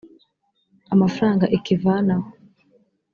amafaranga ikivanaho